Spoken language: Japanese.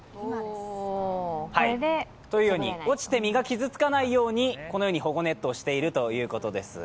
落ちて実が傷つかないように保護ネットをしているということです。